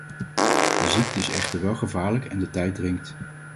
De ziekte is echter wel gevaarlijk en de tijd dringt.